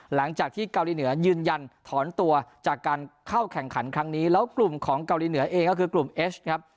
หลังจากที่เกาหลีเหนือยืนยันถอนตัวจากการเข้าแข่งขันครั้งนี้แล้วกลุ่มของเกาหลีเหนือเองก็คือกลุ่มเอชครับ